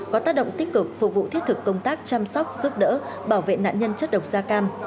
có tác động tích cực phục vụ thiết thực công tác chăm sóc giúp đỡ bảo vệ nạn nhân chất độc da cam